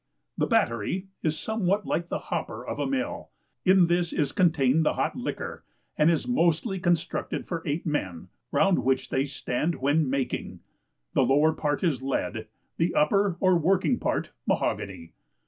The BATTERY is somewhat like the hopper of a mill, in this is contained the hot liquor, and is mostly constructed for eight men, round which they stand when making; the lower part is lead, the upper or working part mahogany.